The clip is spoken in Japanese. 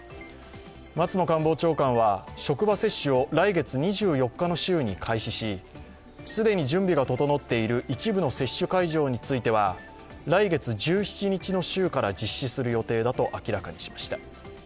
松野官房長官は職場接種を来月２４日の週に開始し、既に準備が整っている一部の接種会場については来月１７日の週から実施する予定だと明らかにしました。